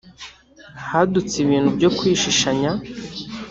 hadutse ibintu byo kwishishanya